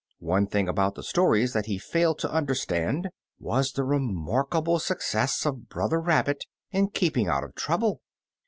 One thing about the stories that he failed to understand was the re maiicable success of Brother Rabbit in keep ing out of trouble.